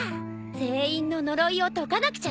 全員の呪いを解かなくちゃね。